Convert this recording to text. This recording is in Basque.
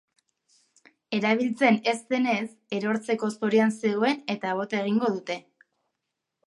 Erabiltzen ez zenez, erortzeko zorian zegoen eta bota egingo dute.